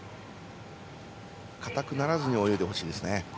硬くならずに泳いでほしいですね。